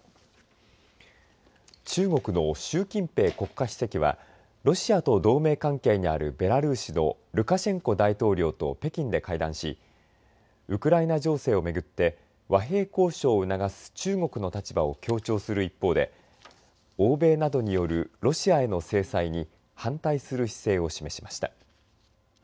中国の習近平国家主席はロシアと同盟関係にあるベラルーシのルカシェンコ大統領と北京で会談しウクライナ情勢を巡って和平交渉を促す中国の立場を強調する一方で欧米などによるロシアへの制裁に反対する姿勢を示しました。